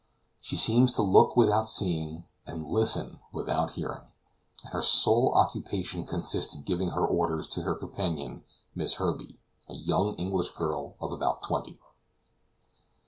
She seems to look without seeing, and listen without hearing, and her sole occupation consists in giving her orders to her companion, Miss Herbey, a young English girl of about twenty.